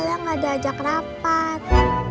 alia gak ada ajak rapat